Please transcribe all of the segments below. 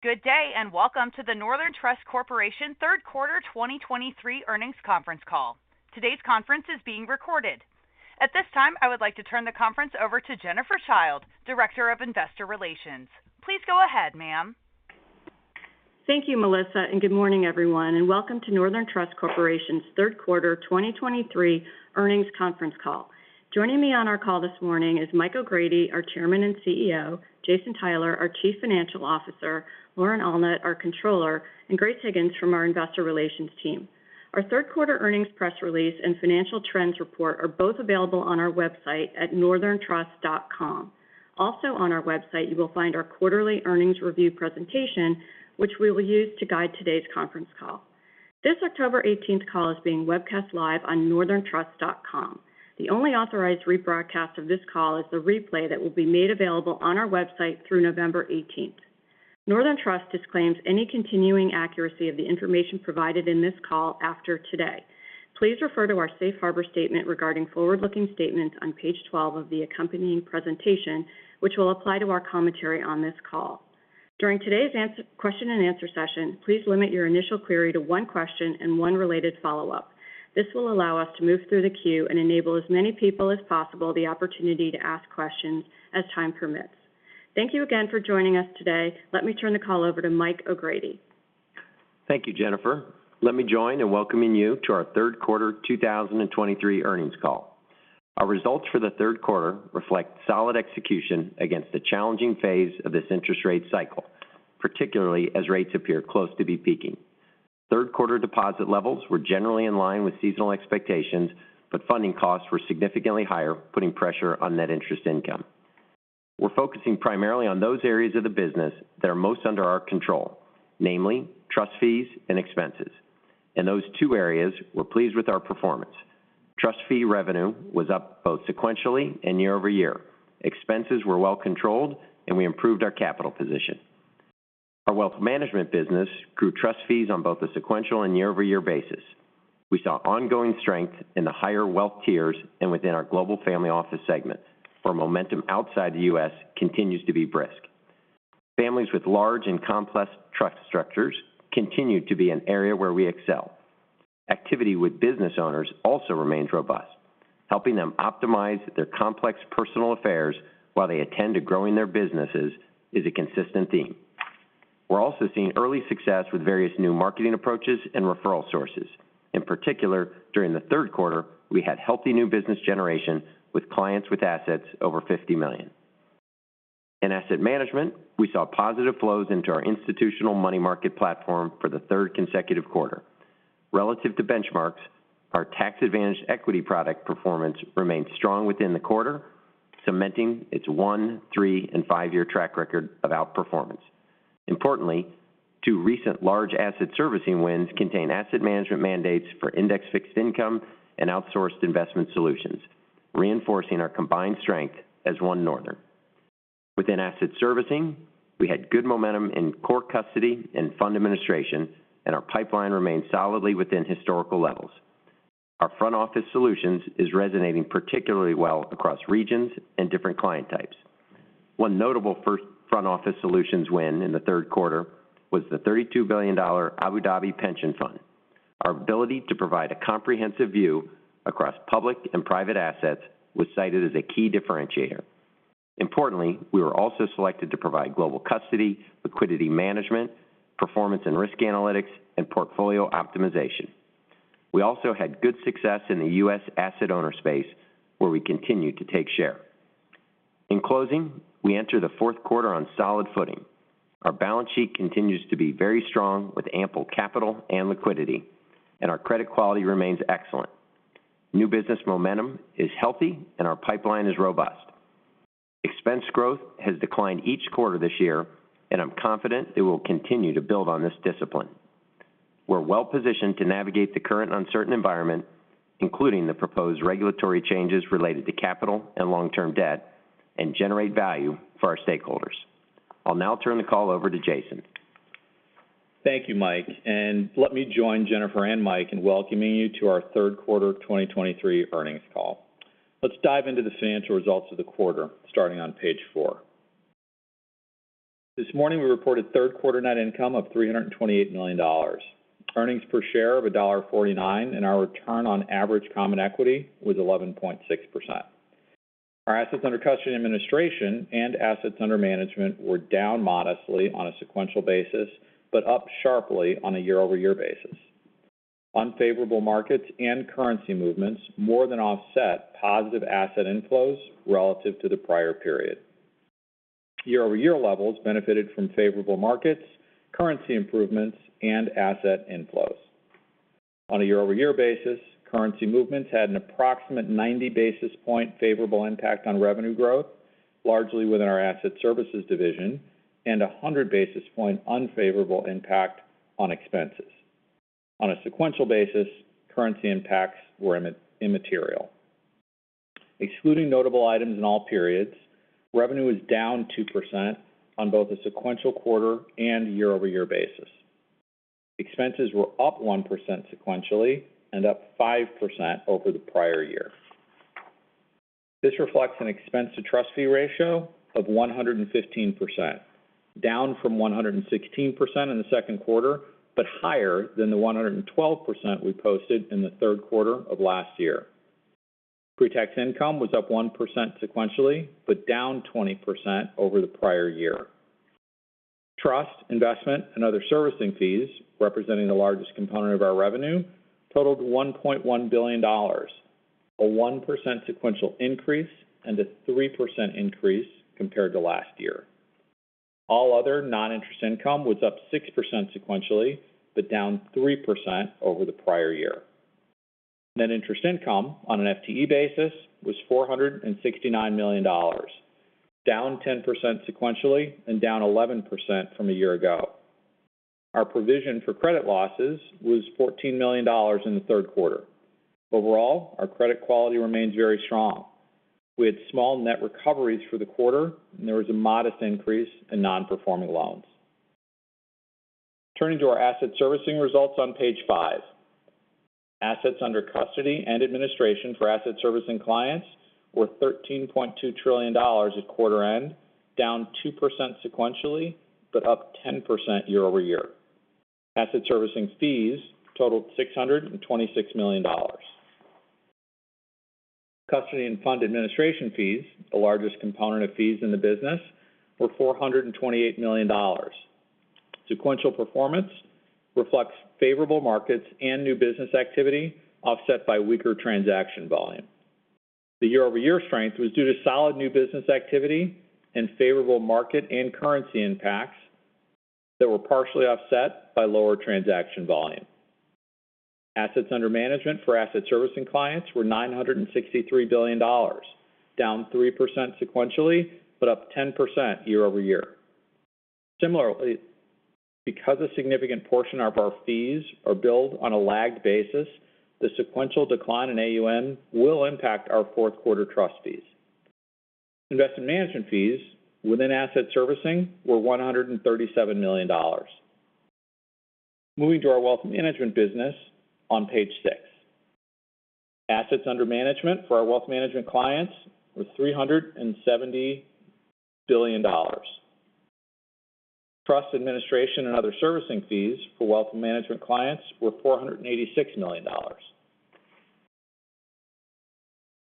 Good day, and welcome to the Northern Trust Corporation Third Quarter 2023 Earnings Conference Call. Today's conference is being recorded. At this time, I would like to turn the conference over to Jennifer Childe, Director of Investor Relations. Please go ahead, ma'am. Thank you, Melissa, and good morning, everyone, and welcome to Northern Trust Corporation's Third Quarter 2023 Earnings Conference Call. Joining me on our call this morning is Mike O'Grady, our Chairman and CEO, Jason Tyler, our Chief Financial Officer, Lauren Allnutt, our Controller, and Grace Higgins from our Investor Relations team. Our third quarter earnings press release and financial trends report are both available on our website at northerntrust.com. Also on our website, you will find our quarterly earnings review presentation, which we will use to guide today's conference call. This October eighteenth call is being webcast live on northerntrust.com. The only authorized rebroadcast of this call is the replay that will be made available on our website through November eighteenth. Northern Trust disclaims any continuing accuracy of the information provided in this call after today. Please refer to our safe harbor statement regarding forward-looking statements on page 12 of the accompanying presentation, which will apply to our commentary on this call. During today's question and answer session, please limit your initial query to one question and one related follow-up. This will allow us to move through the queue and enable as many people as possible the opportunity to ask questions as time permits. Thank you again for joining us today. Let me turn the call over to Mike O'Grady. Thank you, Jennifer. Let me join in welcoming you to our third quarter 2023 earnings call. Our results for the third quarter reflect solid execution against the challenging phase of this interest rate cycle, particularly as rates appear close to be peaking. Third quarter deposit levels were generally in line with seasonal expectations, but funding costs were significantly higher, putting pressure on net interest income. We're focusing primarily on those areas of the business that are most under our control, namely, trust fees and expenses. In those two areas, we're pleased with our performance. Trust fee revenue was up both sequentially and year-over-year. Expenses were well controlled, and we improved our capital position. Our wealth management business grew trust fees on both a sequential and year-over-year basis. We saw ongoing strength in the higher wealth tiers and within our global family office segment, where momentum outside the U.S. continues to be brisk. Families with large and complex trust structures continued to be an area where we excel. Activity with business owners also remains robust. Helping them optimize their complex personal affairs while they attend to growing their businesses is a consistent theme. We're also seeing early success with various new marketing approaches and referral sources. In particular, during the third quarter, we had healthy new business generation with clients with assets over $50 million. In asset management, we saw positive flows into our institutional money market platform for the third consecutive quarter. Relative to benchmarks, our tax-advantaged equity product performance remained strong within the quarter, cementing its 1-, 3-, and 5-year track record of outperformance. Importantly, two recent large asset servicing wins contain asset management mandates for index fixed income and outsourced investment solutions, reinforcing our combined strength as one Northern. Within asset servicing, we had good momentum in core custody and fund administration, and our pipeline remains solidly within historical levels. Our Front Office Solutions is resonating particularly well across regions and different client types. One notable first Front Office Solutions win in the third quarter was the $32 billion Abu Dhabi Pension Fund. Our ability to provide a comprehensive view across public and private assets was cited as a key differentiator. Importantly, we were also selected to provide global custody, liquidity management, performance and risk analytics, and portfolio optimization. We also had good success in the U.S. asset owner space, where we continued to take share. In closing, we enter the fourth quarter on solid footing. Our balance sheet continues to be very strong, with ample capital and liquidity, and our credit quality remains excellent. New business momentum is healthy, and our pipeline is robust. Expense growth has declined each quarter this year, and I'm confident it will continue to build on this discipline. We're well positioned to navigate the current uncertain environment, including the proposed regulatory changes related to capital and long-term debt, and generate value for our stakeholders. I'll now turn the call over to Jason. Thank you, Mike, and let me join Jennifer and Mike in welcoming you to our third quarter 2023 earnings call. Let's dive into the financial results of the quarter, starting on page 4. This morning, we reported third quarter net income of $328 million, earnings per share of $1.49, and our return on average common equity was 11.6%. Our assets under custody administration and assets under management were down modestly on a sequential basis, but up sharply on a year-over-year basis. Unfavorable markets and currency movements more than offset positive asset inflows relative to the prior period. Year-over-year levels benefited from favorable markets, currency improvements, and asset inflows. On a year-over-year basis, currency movements had an approximate 90 basis point favorable impact on revenue growth, largely within our asset servicing division, and a 100 basis point unfavorable impact on expenses. On a sequential basis, currency impacts were immaterial. Excluding notable items in all periods, revenue is down 2% on both a sequential quarter and year-over-year basis. Expenses were up 1% sequentially and up 5% over the prior year. This reflects an expense-to-trust fee ratio of 115%, down from 116% in the second quarter, but higher than the 112% we posted in the third quarter of last year. Pre-tax income was up 1% sequentially, but down 20% over the prior year. Trust, investment, and other servicing fees, representing the largest component of our revenue, totaled $1.1 billion, a 1% sequential increase and a 3% increase compared to last year. All other non-interest income was up 6% sequentially, but down 3% over the prior year. Net interest income on an FTE basis was $469 million, down 10% sequentially and down 11% from a year ago. Our provision for credit losses was $14 million in the third quarter. Overall, our credit quality remains very strong. We had small net recoveries for the quarter, and there was a modest increase in non-performing loans. Turning to our asset servicing results on page 5. Assets under custody and administration for asset servicing clients were $13.2 trillion at quarter end, down 2% sequentially, but up 10% year-over-year. Asset servicing fees totaled $626 million. Custody and fund administration fees, the largest component of fees in the business, were $428 million. Sequential performance reflects favorable markets and new business activity, offset by weaker transaction volume. The year-over-year strength was due to solid new business activity and favorable market and currency impacts that were partially offset by lower transaction volume. Assets under management for asset servicing clients were $963 billion, down 3% sequentially, but up 10% year-over-year. Similarly, because a significant portion of our fees are billed on a lagged basis, the sequential decline in AUM will impact our fourth quarter trust fees. Investment management fees within asset servicing were $137 million. Moving to our wealth management business on page six. Assets under management for our wealth management clients were $370 billion. Trust, administration, and other servicing fees for wealth management clients were $486 million.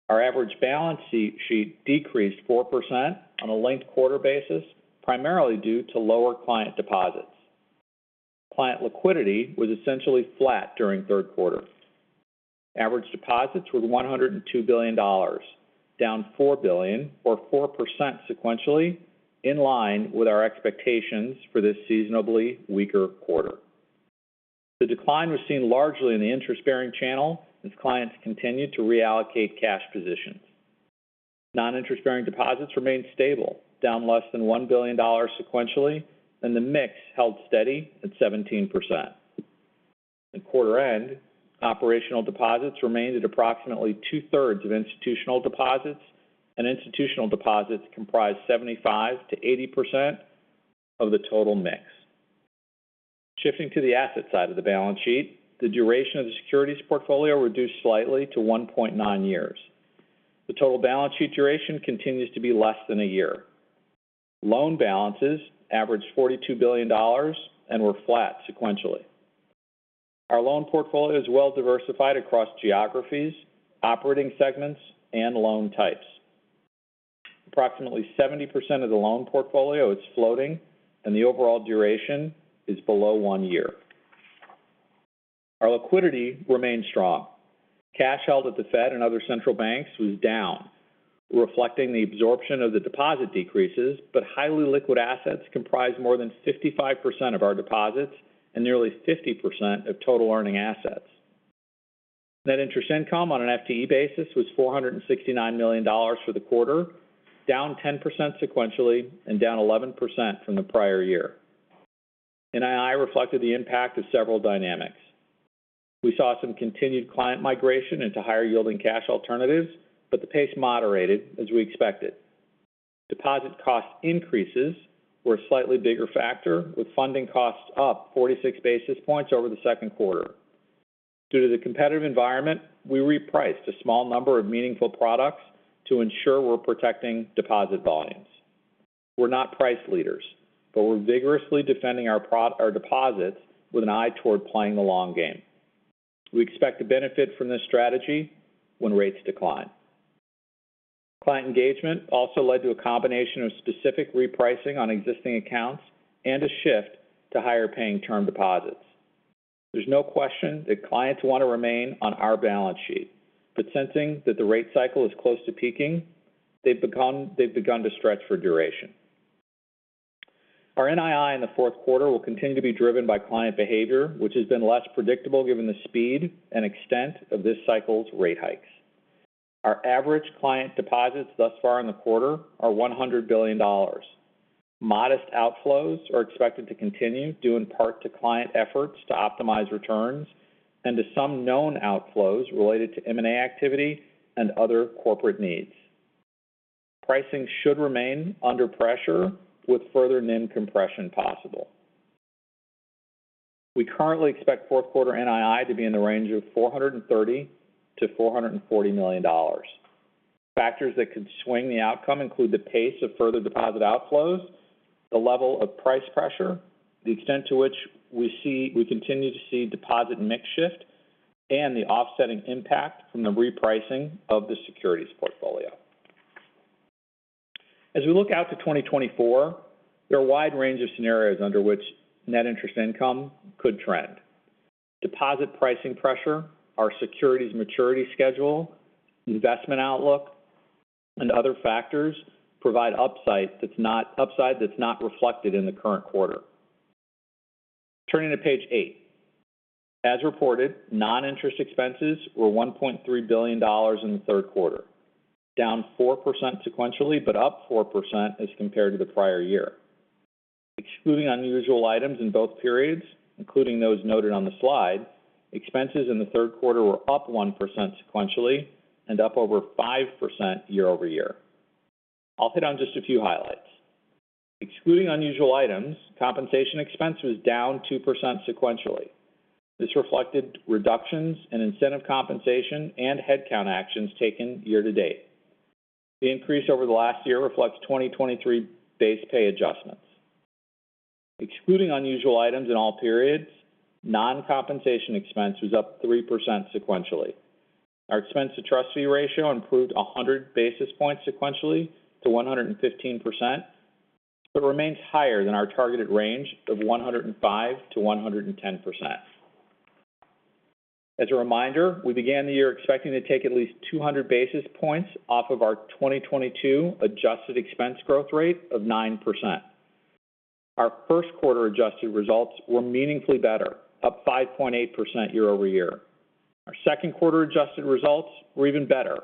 Our average balance sheet decreased 4% on a linked-quarter basis, primarily due to lower client deposits. Client liquidity was essentially flat during the third quarter. Average deposits were $102 billion, down $4 billion or 4% sequentially, in line with our expectations for this seasonally weaker quarter. The decline was seen largely in the interest-bearing channel as clients continued to reallocate cash positions. Non-interest-bearing deposits remained stable, down less than $1 billion sequentially, and the mix held steady at 17%. At quarter end, operational deposits remained at approximately two-thirds of institutional deposits, and institutional deposits comprised 75%-80% of the total mix. Shifting to the asset side of the balance sheet, the duration of the securities portfolio reduced slightly to 1.9 years. The total balance sheet duration continues to be less than a year. Loan balances averaged $42 billion and were flat sequentially. Our loan portfolio is well-diversified across geographies, operating segments, and loan types. Approximately 70% of the loan portfolio is floating, and the overall duration is below 1 year. Our liquidity remains strong. Cash held at the Fed and other central banks was down, reflecting the absorption of the deposit decreases, but highly liquid assets comprise more than 55% of our deposits and nearly 50% of total earning assets. Net interest income on an FTE basis was $469 million for the quarter, down 10% sequentially and down 11% from the prior year. NII reflected the impact of several dynamics. We saw some continued client migration into higher-yielding cash alternatives, but the pace moderated as we expected. Deposit cost increases were a slightly bigger factor, with funding costs up 46 basis points over the second quarter. Due to the competitive environment, we repriced a small number of meaningful products to ensure we're protecting deposit volumes. We're not price leaders, but we're vigorously defending our deposits with an eye toward playing the long game. We expect to benefit from this strategy when rates decline. Client engagement also led to a combination of specific repricing on existing accounts and a shift to higher-paying term deposits. There's no question that clients want to remain on our balance sheet, but sensing that the rate cycle is close to peaking, they've begun to stretch for duration. Our NII in the fourth quarter will continue to be driven by client behavior, which has been less predictable given the speed and extent of this cycle's rate hikes. Our average client deposits thus far in the quarter are $100 billion. Modest outflows are expected to continue, due in part to client efforts to optimize returns and to some known outflows related to M&A activity and other corporate needs. Pricing should remain under pressure with further NIM compression possible. We currently expect fourth quarter NII to be in the range of $430 million to $440 million. Factors that could swing the outcome include the pace of further deposit outflows, the level of price pressure, the extent to which we see, we continue to see deposit mix shift, and the offsetting impact from the repricing of the securities portfolio. As we look out to 2024, there are a wide range of scenarios under which net interest income could trend. Deposit pricing pressure, our securities maturity schedule, investment outlook, and other factors provide upside that's not reflected in the current quarter. Turning to page 8. As reported, non-interest expenses were $1.3 billion in the third quarter, down 4% sequentially, but up 4% as compared to the prior year. Excluding unusual items in both periods, including those noted on the slide, expenses in the third quarter were up 1% sequentially and up over 5% year-over-year. I'll hit on just a few highlights. Excluding unusual items, compensation expense was down 2% sequentially. This reflected reductions in incentive compensation and headcount actions taken year to date. The increase over the last year reflects 2023 base pay adjustments. Excluding unusual items in all periods, non-compensation expense was up 3% sequentially. Our expense to trust fee ratio improved 100 basis points sequentially to 115%, but remains higher than our targeted range of 105%-110%. As a reminder, we began the year expecting to take at least 200 basis points off of our 2022 adjusted expense growth rate of 9%. Our first quarter adjusted results were meaningfully better, up 5.8% year over year. Our second quarter adjusted results were even better,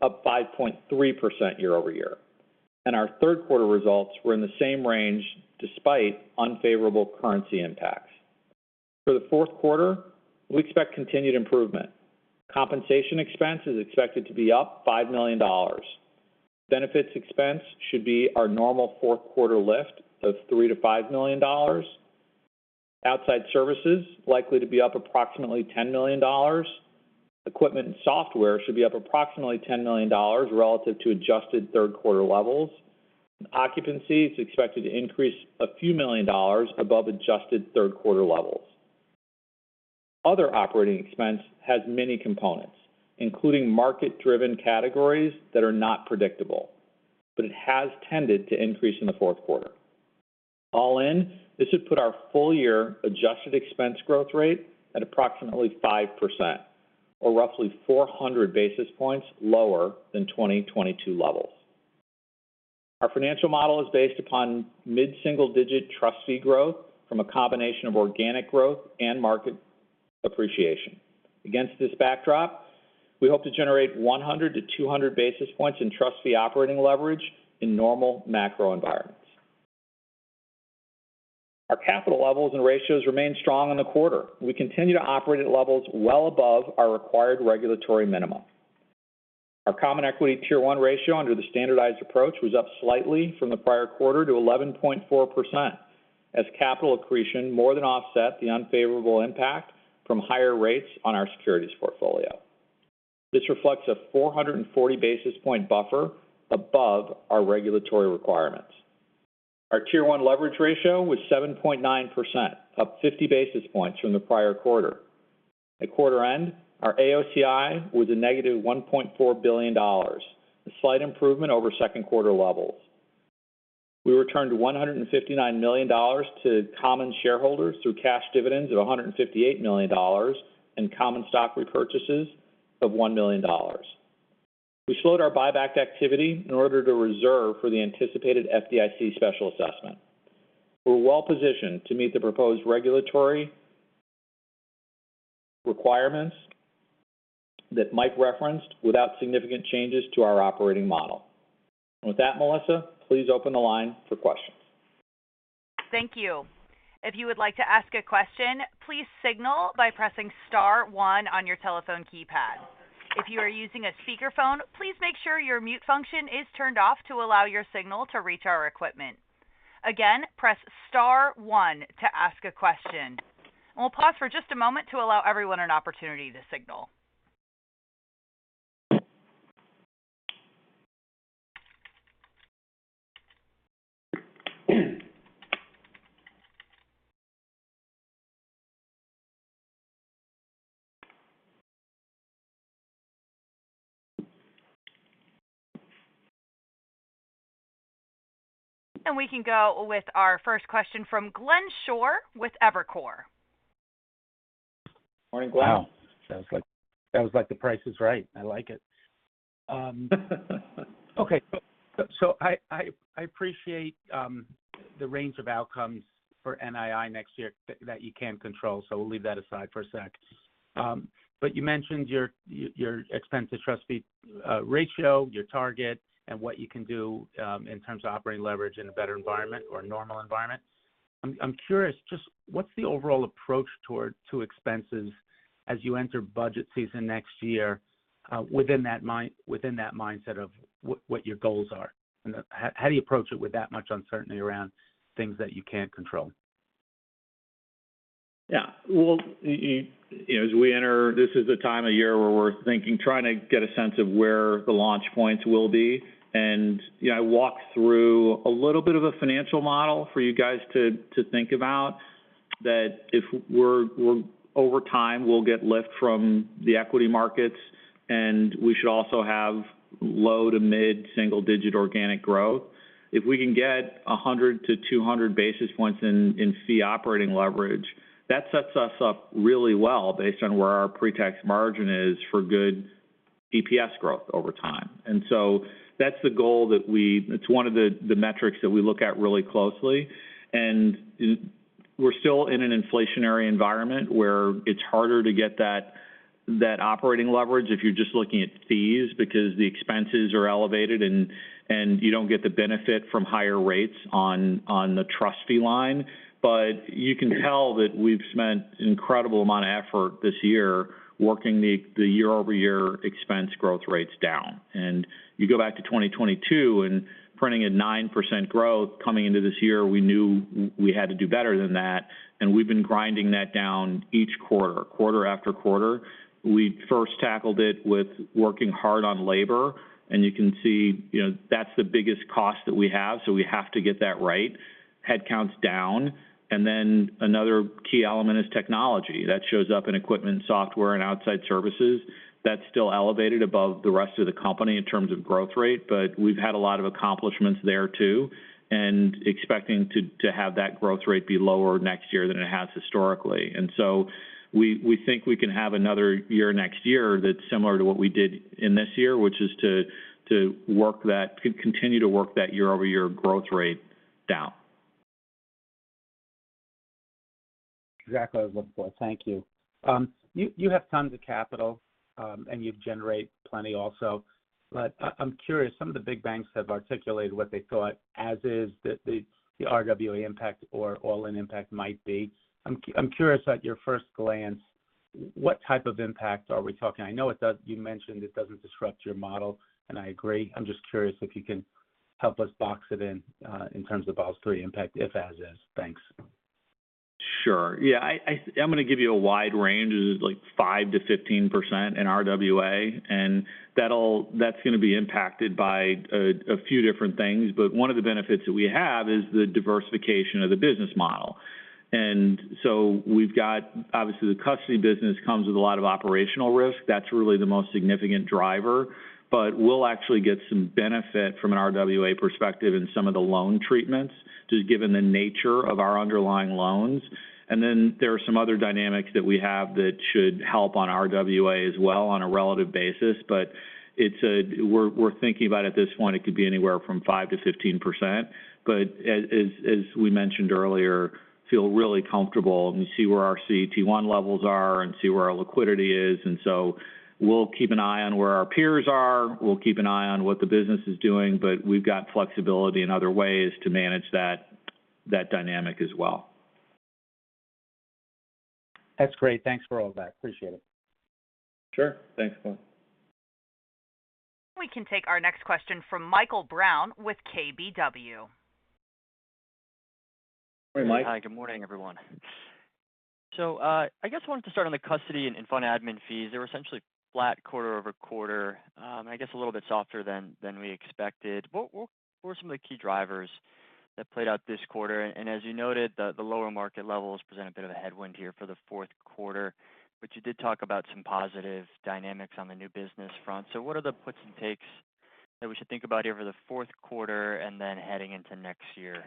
up 5.3% year over year. Our third quarter results were in the same range, despite unfavorable currency impacts. For the fourth quarter, we expect continued improvement. Compensation expense is expected to be up $5 million. Benefits expense should be our normal fourth quarter lift of $3 million to $5 million. Outside services likely to be up approximately $10 million. Equipment and software should be up approximately $10 million relative to adjusted third quarter levels. Occupancy is expected to increase $a few million above adjusted third quarter levels. Other operating expense has many components, including market-driven categories that are not predictable, but it has tended to increase in the fourth quarter. All in, this should put our full year adjusted expense growth rate at approximately 5%, or roughly 400 basis points lower than 2022 levels. Our financial model is based upon mid-single digit trust fee growth from a combination of organic growth and market appreciation. Against this backdrop, we hope to generate 100-200 basis points in trust fee operating leverage in normal macro environments. Our capital levels and ratios remain strong in the quarter. We continue to operate at levels well above our required regulatory minimum. Our Common Equity Tier 1 ratio under the standardized approach was up slightly from the prior quarter to 11.4%, as capital accretion more than offset the unfavorable impact from higher rates on our securities portfolio. This reflects a 440 basis point buffer above our regulatory requirements. Our Tier 1 leverage ratio was 7.9%, up 50 basis points from the prior quarter. At quarter end, our AOCI was -$1.4 billion, a slight improvement over second quarter levels. We returned $159 million to common shareholders through cash dividends of $158 million and common stock repurchases of $1 million. We slowed our buyback activity in order to reserve for the anticipated FDIC special assessment. We're well positioned to meet the proposed regulatory requirements that Mike referenced without significant changes to our operating model. With that, Melissa, please open the line for questions. Thank you. If you would like to ask a question, please signal by pressing star one on your telephone keypad. If you are using a speakerphone, please make sure your mute function is turned off to allow your signal to reach our equipment. Again, press star one to ask a question. We'll pause for just a moment to allow everyone an opportunity to signal. We can go with our first question from Glenn Schorr with Evercore. Morning, Glenn. Wow! Sounds like the price is right. I like it. Okay, so I appreciate the range of outcomes for NII next year that you can't control, so we'll leave that aside for a sec. But you mentioned your expense to trust fee ratio, your target, and what you can do in terms of operating leverage in a better environment or a normal environment. I'm curious, just what's the overall approach toward to expenses as you enter budget season next year? Within that mindset of what your goals are? And how do you approach it with that much uncertainty around things that you can't control? Yeah. Well, you as we enter, this is the time of year where we're thinking, trying to get a sense of where the launch points will be. And, you know, I walked through a little bit of a financial model for you guys to think about, that if we're over time, we'll get lift from the equity markets, and we should also have low to mid-single-digit organic growth. If we can get 100-200 basis points in fee operating leverage, that sets us up really well based on where our pre-tax margin is for good EPS growth over time. And so that's the goal that we it's one of the metrics that we look at really closely. And we're still in an inflationary environment where it's harder to get that operating leverage if you're just looking at fees, because the expenses are elevated and you don't get the benefit from higher rates on the trust fee line. But you can tell that we've spent an incredible amount of effort this year working the year-over-year expense growth rates down. And you go back to 2022 and printing at 9% growth. Coming into this year, we knew we had to do better than that, and we've been grinding that down each quarter, quarter after quarter. We first tackled it with working hard on labor, and you can see, you know, that's the biggest cost that we have, so we have to get that right. Headcount's down. And then another key element is technology. That shows up in equipment, software, and outside services. That's still elevated above the rest of the company in terms of growth rate, but we've had a lot of accomplishments there too, and expecting to have that growth rate be lower next year than it has historically. And so we think we can have another year next year that's similar to what we did in this year, which is to continue to work that year-over-year growth rate down. Exactly what I was looking for. Thank you. You have tons of capital, and you generate plenty also. But I'm curious, some of the big banks have articulated what they thought, as is, the RWA impact or all-in impact might be. I'm curious, at your first glance, what type of impact are we talking? I know it does. You mentioned it doesn't disrupt your model, and I agree. I'm just curious if you can help us box it in, in terms of all three impact, if, as is. Thanks. Sure. Yeah, I'm going to give you a wide range. It is like 5%-15% in RWA, and that'll, that's going to be impacted by a few different things. But one of the benefits that we have is the diversification of the business model. And so we've got. Obviously, the custody business comes with a lot of operational risk. That's really the most significant driver, but we'll actually get some benefit from an RWA perspective in some of the loan treatments, just given the nature of our underlying loans. And then there are some other dynamics that we have that should help on RWA as well on a relative basis. But it's a, we're thinking about at this point, it could be anywhere from 5%-15%. But as we mentioned earlier, feel really comfortable and see where our CET1 levels are and see where our liquidity is. And so we'll keep an eye on where our peers are. We'll keep an eye on what the business is doing, but we've got flexibility in other ways to manage that dynamic as well. That's great. Thanks for all that. Appreciate it. Sure. Thanks, Glenn. We can take our next question from Michael Brown with KBW. Hi, Mike. Hi, good morning, everyone. So, I guess I wanted to start on the custody and fund admin fees. They were essentially flat quarter-over-quarter, I guess a little bit softer than we expected. What were some of the key drivers that played out this quarter? And as you noted, the lower market levels present a bit of a headwind here for the fourth quarter, but you did talk about some positive dynamics on the new business front. So what are the puts and takes that we should think about here for the fourth quarter and then heading into next year?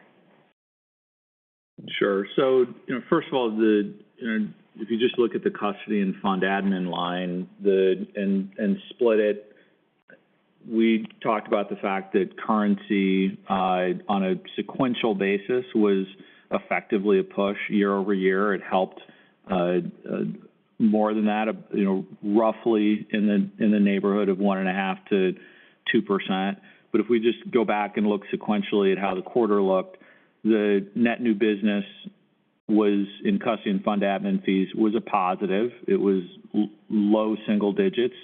Sure. So, you know, first of all, you know, if you just look at the custody and fund admin line and split it, we talked about the fact that currency on a sequential basis was effectively a push year-over-year. It helped more than that, you know, roughly in the neighborhood of 1.5%-2%. But if we just go back and look sequentially at how the quarter looked, the net new business was in custody and fund admin fees was a positive. It was low single digits,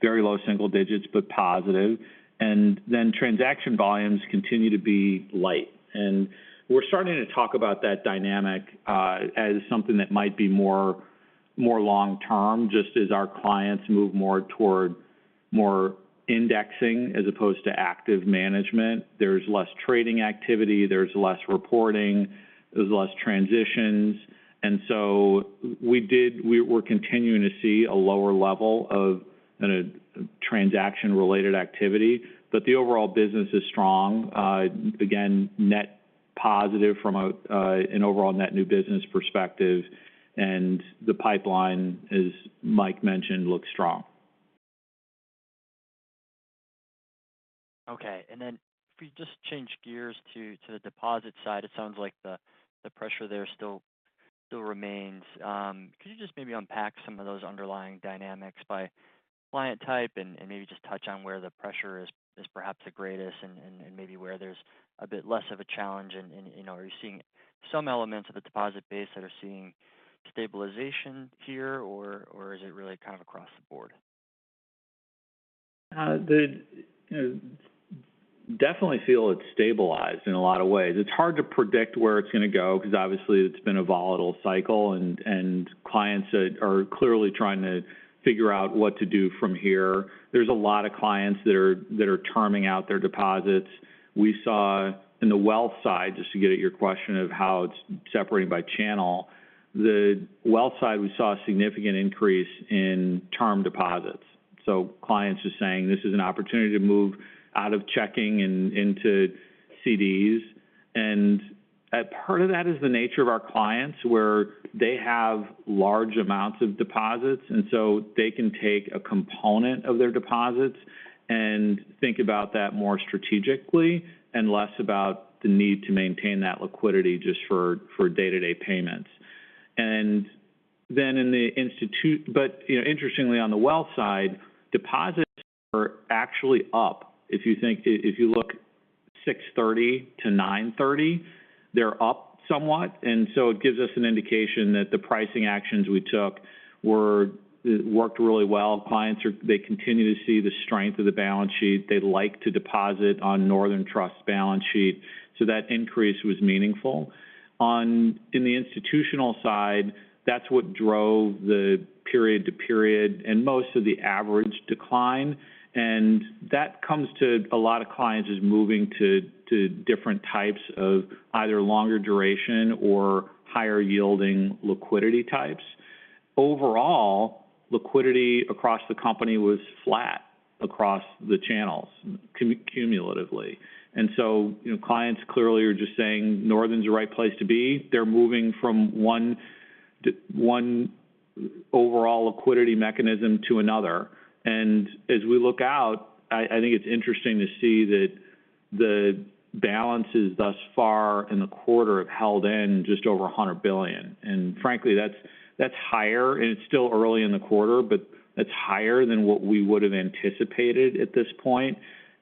very low single digits, but positive. And then transaction volumes continue to be light. And we're starting to talk about that dynamic as something that might be more long-term, just as our clients move more toward indexing as opposed to active management. There's less trading activity, there's less reporting, there's less transitions. And so we're continuing to see a lower level of a transaction-related activity, but the overall business is strong. Again, net positive from an overall net new business perspective, and the pipeline, as Mike mentioned, looks strong. Okay. And then if you just change gears to the deposit side, it sounds like the pressure there still remains. Could you just maybe unpack some of those underlying dynamics by client type and maybe just touch on where the pressure is perhaps the greatest and maybe where there's a bit less of a challenge and, you know, are you seeing some elements of the deposit base that are seeing stabilization here or is it really kind of across the board? You know, definitely feel it's stabilized in a lot of ways. It's hard to predict where it's going to go because obviously it's been a volatile cycle, and clients are clearly trying to figure out what to do from here. There's a lot of clients that are terming out their deposits. We saw in the wealth side, just to get at your question of how it's separating by channel, the wealth side, we saw a significant increase in term deposits. So clients are saying this is an opportunity to move out of checking and into CDs. And a part of that is the nature of our clients, where they have large amounts of deposits, and so they can take a component of their deposits and think about that more strategically and less about the need to maintain that liquidity just for day-to-day payments. In the institutional, but you know, interestingly, on the wealth side, deposits are actually up. If you look 6/30 to 9/30, they're up somewhat, and so it gives us an indication that the pricing actions we took were worked really well. Clients they continue to see the strength of the balance sheet. They like to deposit on Northern Trust's balance sheet, so that increase was meaningful. On the institutional side, that's what drove the period-to-period and most of the average decline, and that comes to a lot of clients as moving to different types of either longer duration or higher yielding liquidity types. Overall, liquidity across the company was flat across the channels cumulatively. So, you know, clients clearly are just saying, Northern's the right place to be. They're moving from one to one overall liquidity mechanism to another. As we look out, I think it's interesting to see that the balances thus far in the quarter have held in just over $100 billion. And frankly, that's higher, and it's still early in the quarter, but that's higher than what we would have anticipated at this point.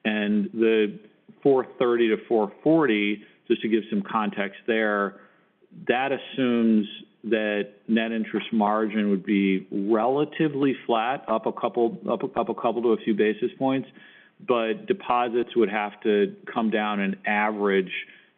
And the 4.30 to 4.40, just to give some context there, that assumes that net interest margin would be relatively flat, up a couple to a few basis points. But deposits would have to come down and average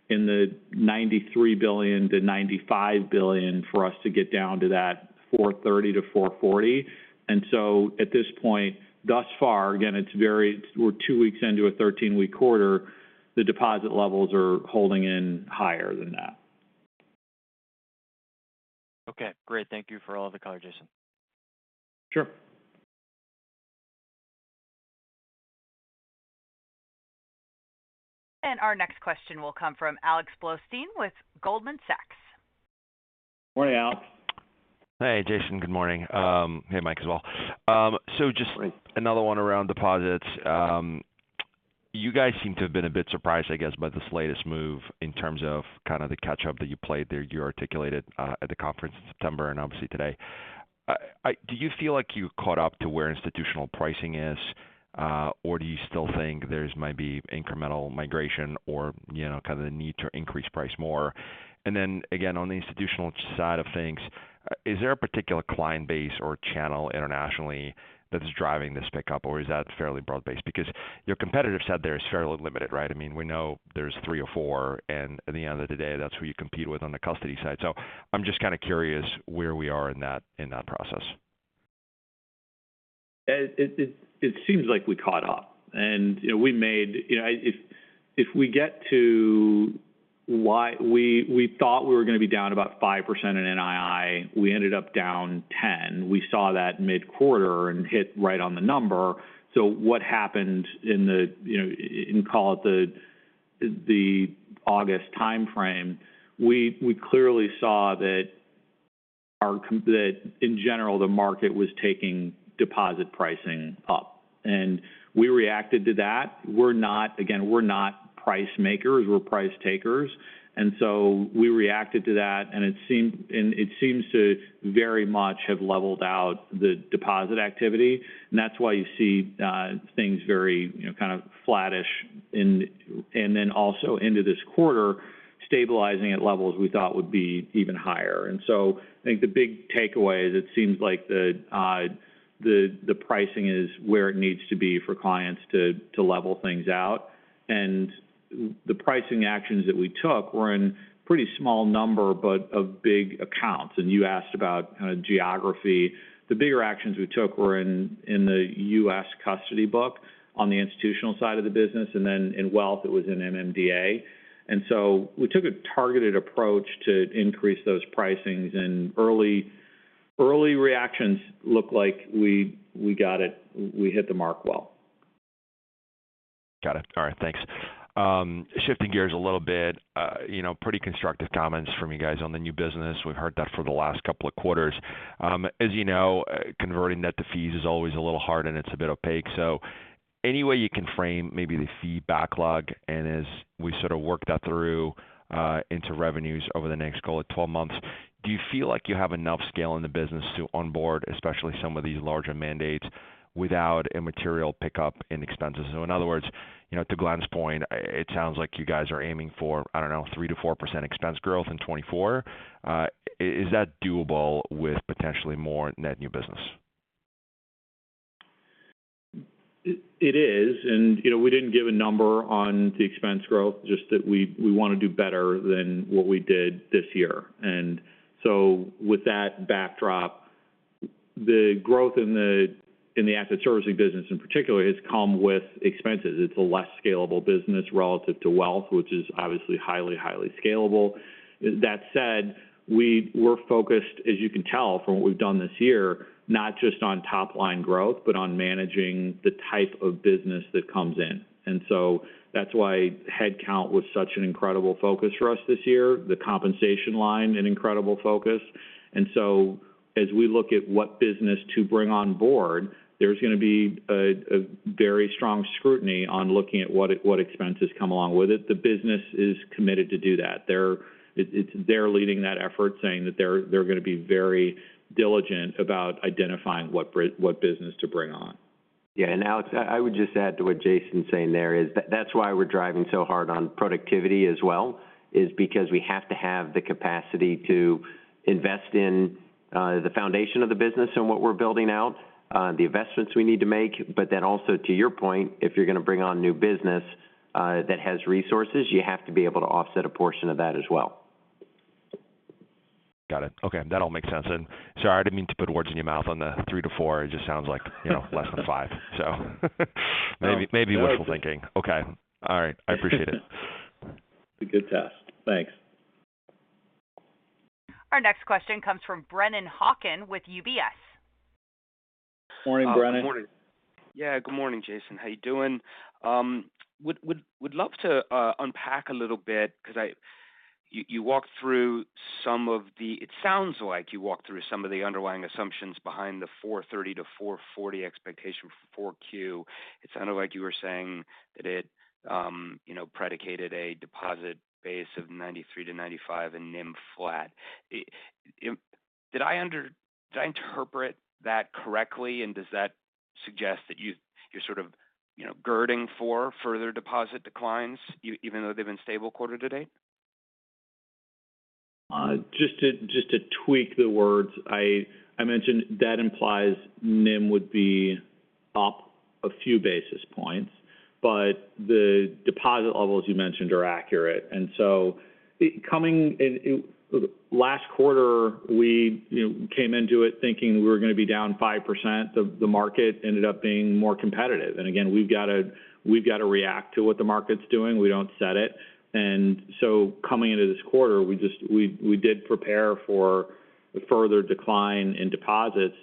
in the $93 billion-$95 billion for us to get down to that 4.30 to 4.40. At this point, thus far, again, it's very, we're 2 weeks into a 13-week quarter, the deposit levels are holding in higher than that. Okay, great. Thank you for all the color, Jason. Sure. Our next question will come from Alex Blostein with Goldman Sachs. Morning, Alex. Hey, Jason. Good morning. Hey, Mike, as well. So just Hi. Another one around deposits. You guys seem to have been a bit surprised, I guess, by this latest move in terms of kind of the catch-up that you played there. You articulated at the conference in September and obviously today. Do you feel like you caught up to where institutional pricing is, or do you still think there's maybe incremental migration or, you know, kind of the need to increase price more? And then again, on the institutional side of things, is there a particular client base or channel internationally that is driving this pickup, or is that fairly broad-based? Because your competitor set there is fairly limited, right? I mean, we know there's three or four, and at the end of the day, that's who you compete with on the custody side. I'm just kind of curious where we are in that, in that process. It seems like we caught up, and, you know, we made, you know, if we get to why we thought we were going to be down about 5% in NII, we ended up down 10%. We saw that mid-quarter and hit right on the number. So what happened in the, you know, in call it the August time frame, we clearly saw that our, that in general, the market was taking deposit pricing up, and we reacted to that. We're not, again, we're not price makers, we're price takers, and so we reacted to that, and it seemed, and it seems to very much have leveled out the deposit activity. And that's why you see things very, you know, kind of flattish in, and then also into this quarter, stabilizing at levels we thought would be even higher. And so I think the big takeaway is it seems like the pricing is where it needs to be for clients to level things out. And the pricing actions that we took were in pretty small number, but of big accounts. And you asked about kind of geography. The bigger actions we took were in the U.S. custody book on the institutional side of the business, and then in wealth, it was in MMDA. And so we took a targeted approach to increase those pricings, and early reactions look like we got it. We hit the mark well. Got it. All right, thanks. Shifting gears a little bit, you know, pretty constructive comments from you guys on the new business. We've heard that for the last couple of quarters. As you know, converting net to fees is always a little hard, and it's a bit opaque. So any way you can frame maybe the fee backlog, and as we sort of work that through into revenues over the next call at 12 months, do you feel like you have enough scale in the business to onboard, especially some of these larger mandates, without a material pickup in expenses? So in other words, you know, to Glenn's point, it sounds like you guys are aiming for, I don't know, 3%-4% expense growth in 2024. Is that doable with potentially more net new business? It is, and you know, we didn't give a number on the expense growth, just that we wanna do better than what we did this year. And so with that backdrop, the growth in the asset servicing business, in particular, has come with expenses. It's a less scalable business relative to wealth, which is obviously highly, highly scalable. That said, we're focused, as you can tell from what we've done this year, not just on top line growth, but on managing the type of business that comes in. And so that's why headcount was such an incredible focus for us this year, the compensation line, an incredible focus. And so as we look at what business to bring on board, there's gonna be a very strong scrutiny on looking at what expenses come along with it. The business is committed to do that. They're leading that effort, saying that they're gonna be very diligent about identifying what business to bring on. Yeah, and Alex, I would just add to what Jason's saying there, is that that's why we're driving so hard on productivity as well, is because we have to have the capacity to invest in the foundation of the business and what we're building out, the investments we need to make. But then also to your point, if you're gonna bring on new business, that has resources, you have to be able to offset a portion of that as well. Got it. Okay, that all makes sense. Sorry, I didn't mean to put words in your mouth on the three to four. It just sounds like, you know, less than 5. So maybe, maybe wishful thinking. Okay. All right, I appreciate it. A good test. Thanks. Our next question comes from Brennan Hawken with UBS. Morning, Brennan. Morning. Yeah, good morning, Jason. How are you doing? Would love to unpack a little bit, because it sounds like you walked through some of the underlying assumptions behind the $430-$440 expectation for 4Q. It sounded like you were saying that it, you know, predicated a deposit base of $93-$95 and NIM flat. Did I interpret that correctly, and does that suggest that you're sort of, you know, girding for further deposit declines even though they've been stable quarter to date? Just to, just to tweak the words, I mentioned that implies NIM would be up a few basis points, but the deposit levels you mentioned are accurate. And so coming into last quarter, we, you know, came into it thinking we were gonna be down 5%. The, the market ended up being more competitive. And again, we've got to, we've got to react to what the market's doing. We don't set it. And so coming into this quarter, we just—we did prepare for a further decline in deposits,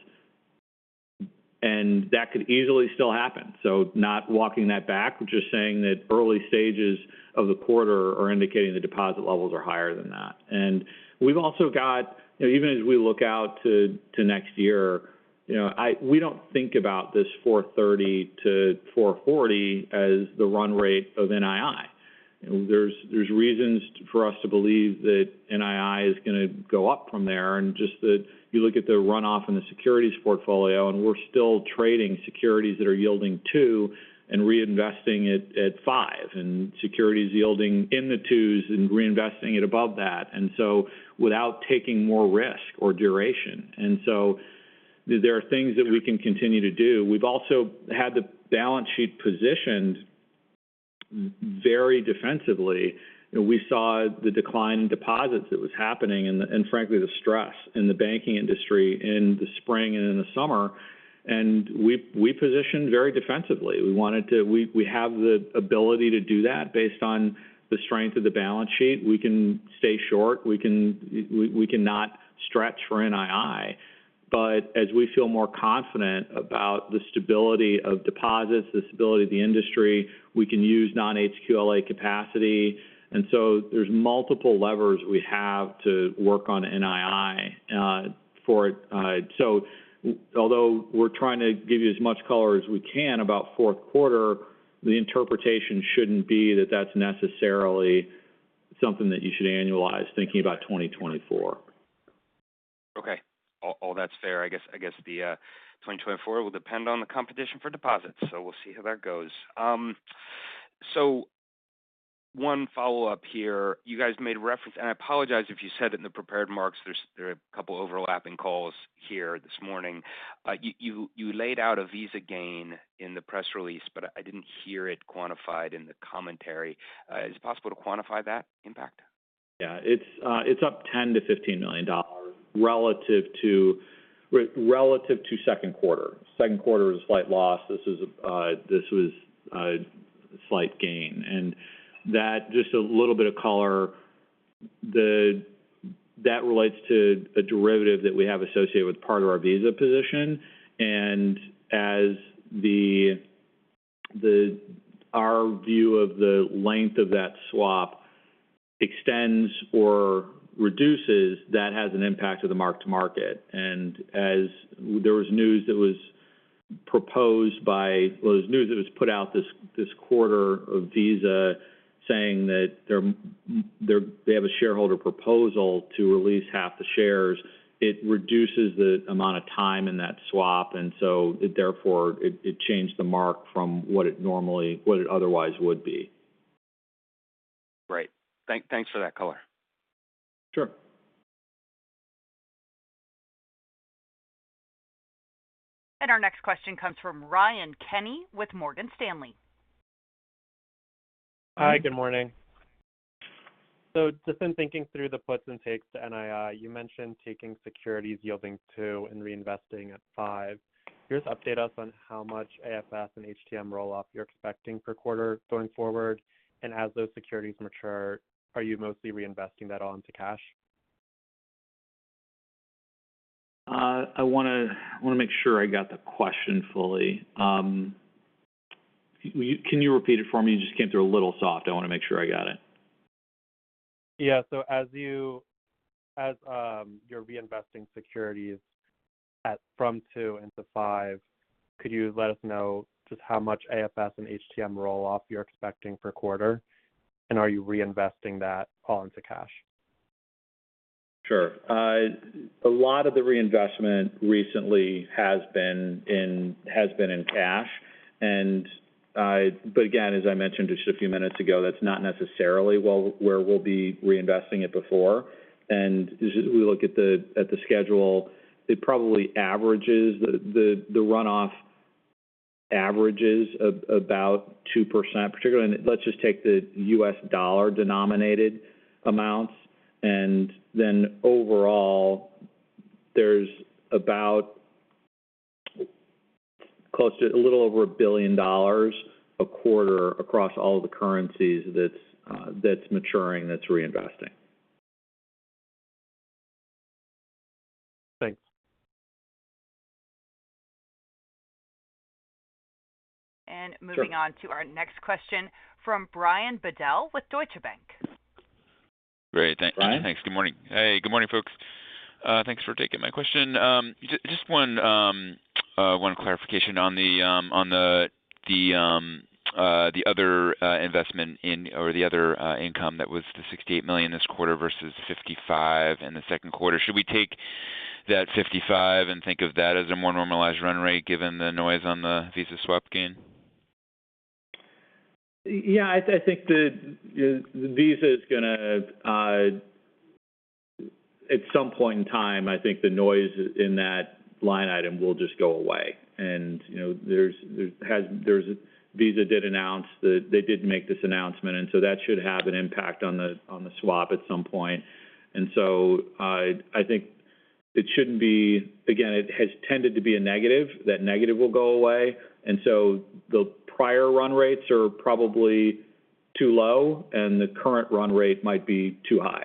and that could easily still happen. So not walking that back, we're just saying that early stages of the quarter are indicating the deposit levels are higher than that. And we've also got, you know, even as we look out to next year, you know, I we don't think about this $430-$440 as the run rate of NII. There's reasons for us to believe that NII is gonna go up from there, and just that you look at the runoff in the securities portfolio, and we're still trading securities that are yielding 2% and reinvesting it at 5%, and securities yielding in the 2s and reinvesting it above that, and so without taking more risk or duration. And so there are things that we can continue to do. We've also had the balance sheet positioned very defensively. We saw the decline in deposits that was happening, and frankly, the stress in the banking industry in the spring and in the summer, and we positioned very defensively. We wanted to, we have the ability to do that based on the strength of the balance sheet. We can stay short, we cannot stretch for NII. But as we feel more confident about the stability of deposits, the stability of the industry, we can use non-HQLA capacity. And so there's multiple levers we have to work on NII for it. So although we're trying to give you as much color as we can about fourth quarter, the interpretation shouldn't be that that's necessarily something that you should annualize thinking about 2024. Okay. All that's fair. I guess the 2024 will depend on the competition for deposits, so we'll see how that goes. So one follow-up here. You guys made a reference, and I apologize if you said it in the prepared remarks. There are a couple overlapping calls here this morning. You laid out a Visa gain in the press release, but I didn't hear it quantified in the commentary. Is it possible to quantify that impact? Yeah, it's up $10-$15 million, relative to second quarter. Second quarter is a slight loss. This was a slight gain. And that just a little bit of color, that relates to a derivative that we have associated with part of our Visa position. And as our view of the length of that swap extends or reduces, that has an impact to the mark-to-market. And as there was news that was put out this quarter of Visa saying that they have a shareholder proposal to release half the shares, it reduces the amount of time in that swap, and so therefore, it changed the mark from what it otherwise would be. Great. Thanks for that color. Sure. And our next question comes from Ryan Kenny with Morgan Stanley. Hi, good morning. Just in thinking through the puts and takes to NII, you mentioned taking securities yielding two and reinvesting at five. Can you just update us on how much AFS and HTM roll-off you're expecting per quarter going forward? And as those securities mature, are you mostly reinvesting that all into cash? I wanna, I wanna make sure I got the question fully. Can you repeat it for me? You just came through a little soft. I want to make sure I got it. Yeah. So as you're reinvesting securities at from two into five, could you let us know just how much AFS and HTM roll-off you're expecting per quarter? And are you reinvesting that all into cash? Sure. A lot of the reinvestment recently has been in, has been in cash, and, but again, as I mentioned just a few minutes ago, that's not necessarily where, where we'll be reinvesting it before. And as we look at the, at the schedule, it probably averages the runoff averages about 2%, particularly. Let's just take the US dollar-denominated amounts, and then overall, there's about close to a little over $1 billion a quarter across all the currencies that's maturing, that's reinvesting. Thanks. Moving on Sure. to our next question from Brian Bedell with Deutsche Bank. Great, thank Hi. Thanks. Good morning. Hey, good morning, folks. Thanks for taking my question. Just one clarification on the other investment income that was the $68 million this quarter versus $55 million in the second quarter. Should we take that $55 million and think of that as a more normalized run rate, given the noise on the Visa swap gain? Yeah, I think the Visa is gonna. At some point in time, I think the noise in that line item will just go away. And, you know, there's, Visa did announce that they did make this announcement, and so that should have an impact on the swap at some point. And so I think it shouldn't be. Again, it has tended to be a negative. That negative will go away, and so the prior run rates are probably too low, and the current run rate might be too high.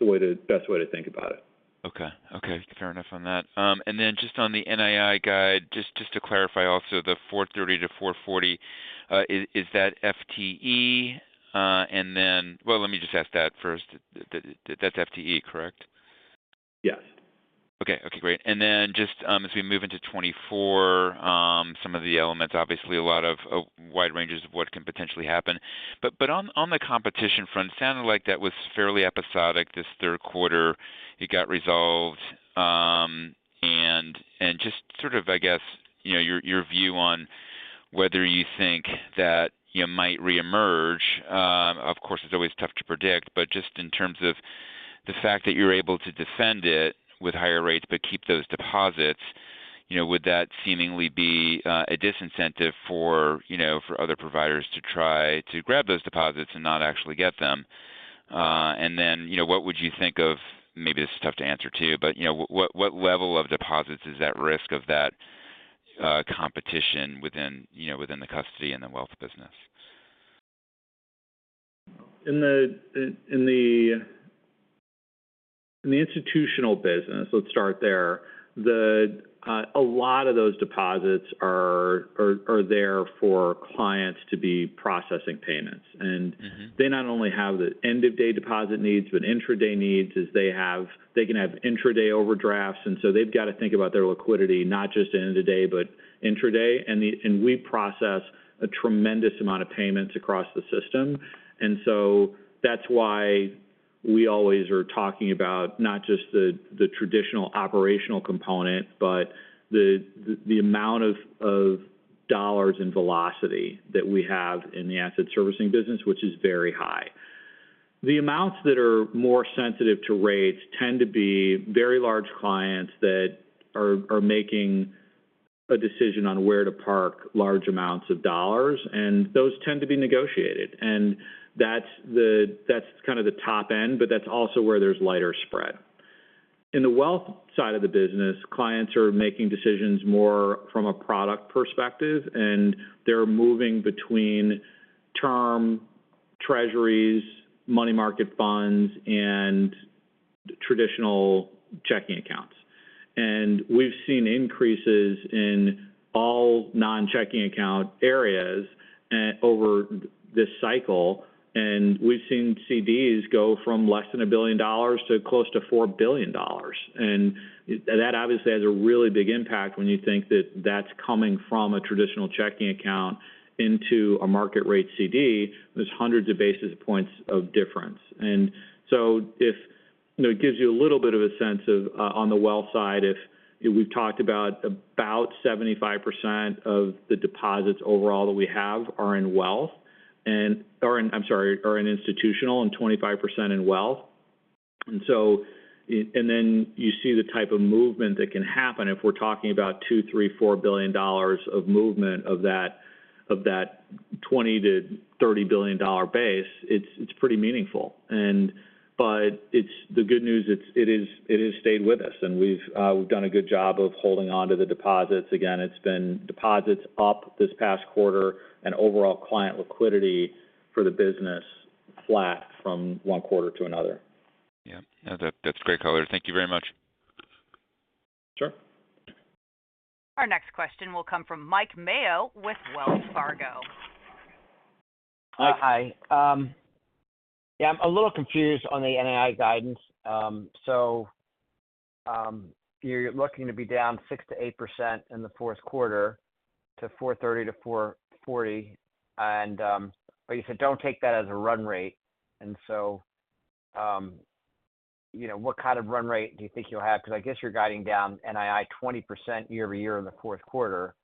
The best way to think about it. Okay. Okay, fair enough on that. And then just on the NII guide, just to clarify also, the $430-$440, is that FTE? And then. Well, let me just ask that first. That's FTE, correct? Yes. Okay. Okay, great. And then just, as we move into 2024, some of the elements, obviously a lot of wide ranges of what can potentially happen. But, but on, on the competition front, sounded like that was fairly episodic this third quarter. It got resolved, and, and just sort of, I guess, you know, your, your view on whether you think that you might reemerge. Of course, it's always tough to predict, but just in terms of the fact that you're able to defend it with higher rates, but keep those deposits, you know, would that seemingly be a disincentive for, you know, for other providers to try to grab those deposits and not actually get them? And then, you know, what would you think of, maybe this is tough to answer, too, but, you know, what, what level of deposits is at risk of that, competition within, you know, within the custody and the wealth business? In the institutional business, let's start there, a lot of those deposits are there for clients to be processing payments. And they not only have the end-of-day deposit needs, but intraday needs, as they have, they can have intraday overdrafts, and so they've got to think about their liquidity, not just end of day, but intraday. And we process a tremendous amount of payments across the system. And so that's why we always are talking about not just the traditional operational component, but the amount of dollars and velocity that we have in the asset servicing business, which is very high. The amounts that are more sensitive to rates tend to be very large clients that are making a decision on where to park large amounts of dollars, and those tend to be negotiated. And that's kind of the top end, but that's also where there's lighter spread. In the wealth side of the business, clients are making decisions more from a product perspective, and they're moving between term Treasuries, money market funds, and traditional checking accounts. And we've seen increases in all non-checking account areas over this cycle, and we've seen CDs go from less than $1 billion to close to $4 billion. And that obviously has a really big impact when you think that that's coming from a traditional checking account into a market rate CD. There's hundreds of basis points of difference. And so if you know, it gives you a little bit of a sense of on the wealth side, if we've talked about, about 75% of the deposits overall that we have are in wealth.... and or, I'm sorry, are in institutional and 25% in wealth. And so, and then you see the type of movement that can happen if we're talking about $2 billion, $3 billion, $4 billion of movement of that, of that $20-$30 billion base, it's pretty meaningful. But it's the good news, it's, it is, it has stayed with us, and we've, we've done a good job of holding onto the deposits. Again, it's been deposits up this past quarter and overall client liquidity for the business flat from one quarter to another. Yeah. Yeah, that, that's great color. Thank you very much. Sure. Our next question will come from Mike Mayo with Wells Fargo. Hi. Hi. Yeah, I'm a little confused on the NII guidance. So, you're looking to be down 6%-8% in the fourth quarter to $430-$440, and, but you said don't take that as a run rate. And so, you know, what kind of run rate do you think you'll have? Because I guess you're guiding down NII 20% year-over-year in the fourth quarter.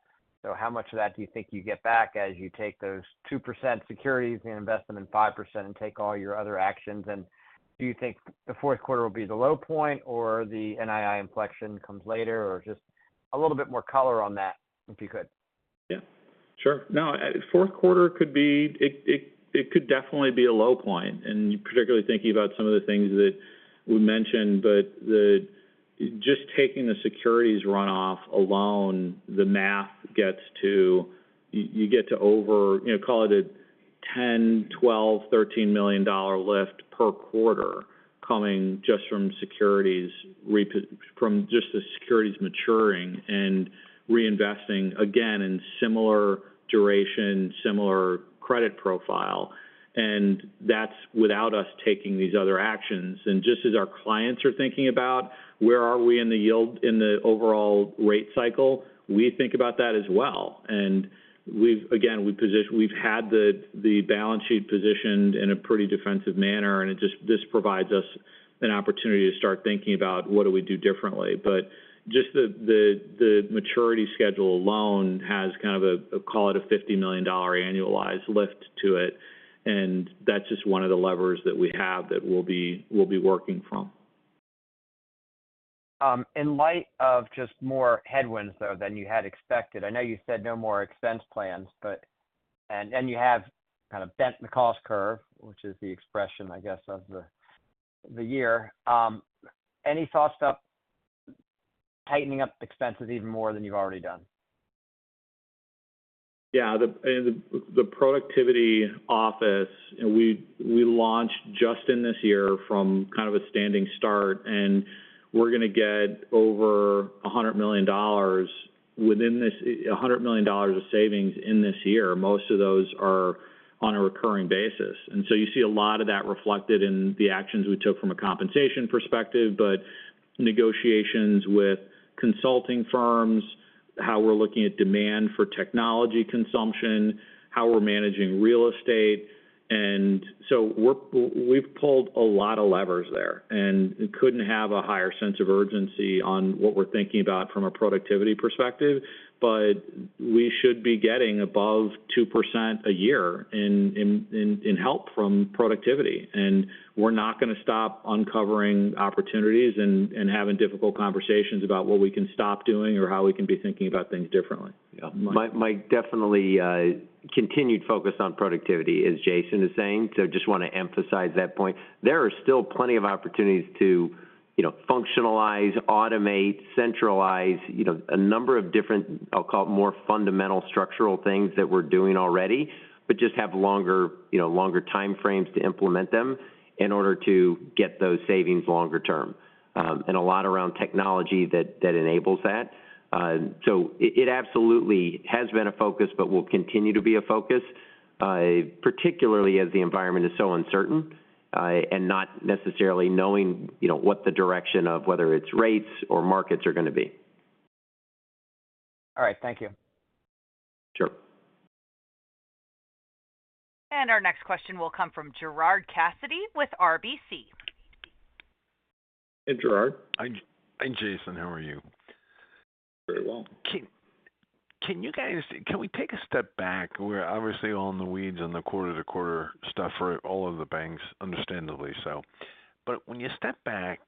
So how much of that do you think you get back as you take those 2% securities and invest them in 5% and take all your other actions? And do you think the fourth quarter will be the low point, or the NII inflection comes later? Or just a little bit more color on that, if you could. Yeah, sure. No, fourth quarter could definitely be a low point, and particularly thinking about some of the things that we mentioned. But just taking the securities run off alone, the math gets to you get to over, you know, call it a $10, $12, $13 million lift per quarter, coming just from just the securities maturing and reinvesting again in similar duration, similar credit profile. And that's without us taking these other actions. And just as our clients are thinking about, where are we in the yield in the overall rate cycle, we think about that as well. And we've again we've had the balance sheet positioned in a pretty defensive manner, and it just this provides us an opportunity to start thinking about what do we do differently. But just the maturity schedule alone has kind of a, call it, a $50 million annualized lift to it, and that's just one of the levers that we have that we'll be working from. In light of just more headwinds, though, than you had expected, I know you said no more expense plans, but and you have kind of bent the cost curve, which is the expression, I guess, of the year. Any thoughts about tightening up expenses even more than you've already done? Yeah, the productivity office, and we launched just in this year from kind of a standing start, and we're going to get over $100 million within this a $100 million of savings in this year. Most of those are on a recurring basis. And so you see a lot of that reflected in the actions we took from a compensation perspective, but negotiations with consulting firms, how we're looking at demand for technology consumption, how we're managing real estate. And so we've pulled a lot of levers there, and we couldn't have a higher sense of urgency on what we're thinking about from a productivity perspective. But we should be getting above 2% a year in help from productivity. And we're not going to stop uncovering opportunities and having difficult conversations about what we can stop doing or how we can be thinking about things differently. Yeah. Mike, Mike, definitely, continued focus on productivity, as Jason is saying, so just want to emphasize that point. There are still plenty of opportunities to, you know, functionalize, automate, centralize, you know, a number of different, I'll call it, more fundamental structural things that we're doing already, but just have longer, you know, longer time frames to implement them in order to get those savings longer term. And a lot around technology that enables that. So it absolutely has been a focus but will continue to be a focus, particularly as the environment is so uncertain, and not necessarily knowing, you know, what the direction of whether it's rates or markets are going to be. All right. Thank you. Sure. Our next question will come from Gerard Cassidy with RBC. Hey, Gerard. Hi, Jason. How are you? Very well. Can you guys can we take a step back? We're obviously all in the weeds on the quarter-to-quarter stuff for all of the banks, understandably so. But when you step back,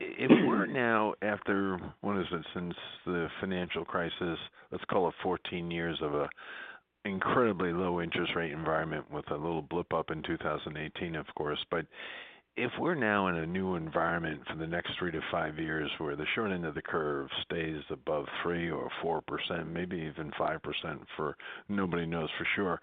if we're now after, what is it, since the financial crisis, let's call it 14 years of an incredibly low interest rate environment with a little blip up in 2018, of course. But if we're now in a new environment for the next three to five years, where the short end of the curve stays above 3% or 4%, maybe even 5% for nobody knows for sure.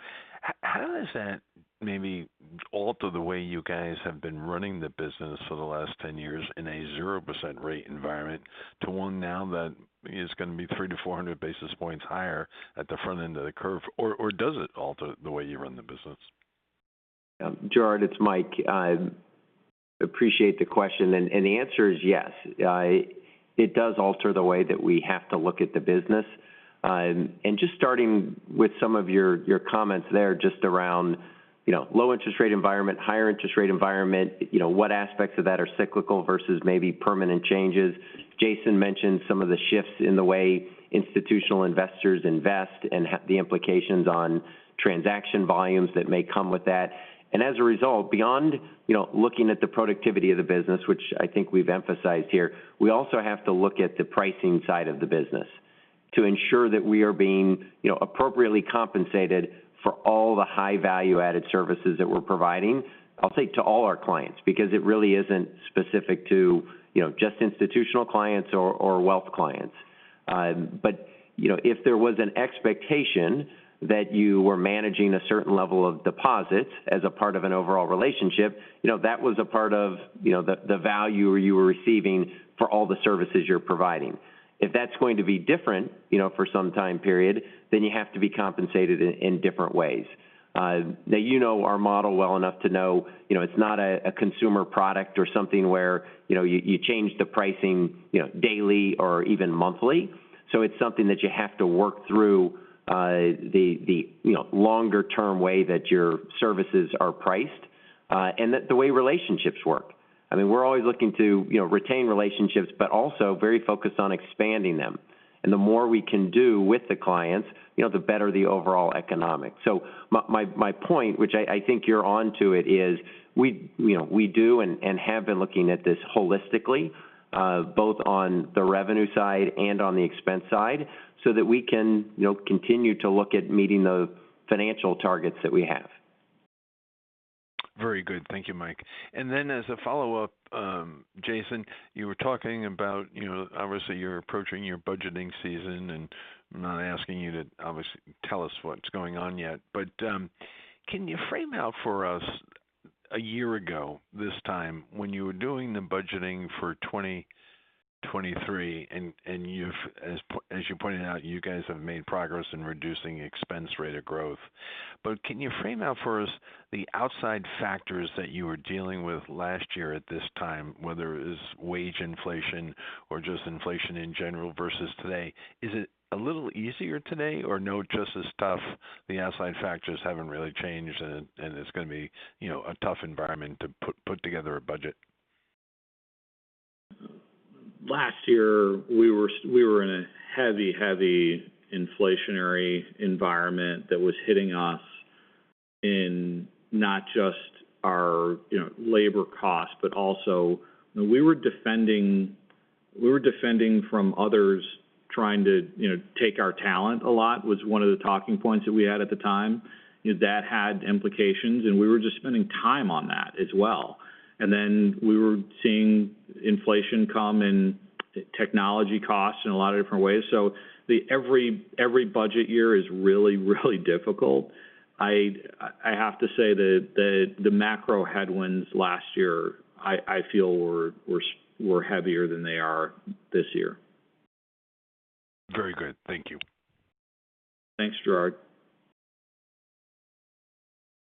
How does that maybe alter the way you guys have been running the business for the last 10 years in a 0% rate environment to one now that is going to be 300-400 basis points higher at the front end of the curve? Or does it alter the way you run the business? Yeah. Gerard, it's Mike. I appreciate the question, and the answer is yes. It does alter the way that we have to look at the business. And just starting with some of your comments there, just around, you know, low interest rate environment, higher interest rate environment, you know, what aspects of that are cyclical versus maybe permanent changes. Jason mentioned some of the shifts in the way institutional investors invest and the implications on transaction volumes that may come with that. And as a result, beyond, you know, looking at the productivity of the business, which I think we've emphasized here, we also have to look at the pricing side of the business to ensure that we are being, you know, appropriately compensated for all the high value-added services that we're providing, I'll say, to all our clients, because it really isn't specific to, you know, just institutional clients or, or wealth clients. But, you know, if there was an expectation that you were managing a certain level of deposits as a part of an overall relationship, you know, that was a part of, you know, the, the value you were receiving for all the services you're providing. If that's going to be different, you know, for some time period, then you have to be compensated in, in different ways. Now you know our model well enough to know, you know, it's not a consumer product or something where, you know, you change the pricing, you know, daily or even monthly. So it's something that you have to work through, the you know, longer term way that your services are priced, and that the way relationships work. I mean, we're always looking to, you know, retain relationships, but also very focused on expanding them. And the more we can do with the clients, you know, the better the overall economics. So my point, which I think you're onto it, is we, you know, we do and have been looking at this holistically, both on the revenue side and on the expense side, so that we can, you know, continue to look at meeting the financial targets that we have. Very good. Thank you, Mike. And then as a follow-up, Jason, you were talking about, you know, obviously, you're approaching your budgeting season, and I'm not asking you to obviously tell us what's going on yet. But, can you frame out for us a year ago, this time, when you were doing the budgeting for 2023, and you've, as you pointed out, you guys have made progress in reducing expense rate of growth. But can you frame out for us the outside factors that you were dealing with last year at this time, whether it was wage inflation or just inflation in general versus today? Is it a little easier today or no, just as tough, the outside factors haven't really changed, and it's going to be, you know, a tough environment to put together a budget? Last year, we were in a heavy inflationary environment that was hitting us in not just our, you know, labor costs, but also we were defending from others trying to, you know, take our talent a lot, was one of the talking points that we had at the time. You know, that had implications, and we were just spending time on that as well. And then we were seeing inflation come in technology costs in a lot of different ways. So every budget year is really difficult. I have to say that the macro headwinds last year, I feel were heavier than they are this year. Very good. Thank you. Thanks, Gerard.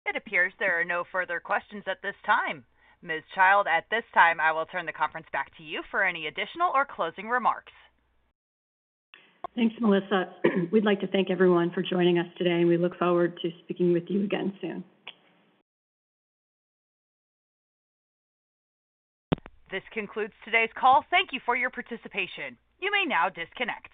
It appears there are no further questions at this time. Ms. Childe, at this time, I will turn the conference back to you for any additional or closing remarks. Thanks, Melissa. We'd like to thank everyone for joining us today, and we look forward to speaking with you again soon. This concludes today's call. Thank you for your participation. You may now disconnect.